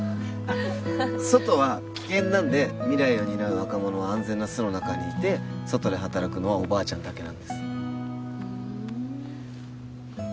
外は危険なんで未来を担う若者は安全な巣の中にいて外で働くのはおばあちゃんだけなんですふん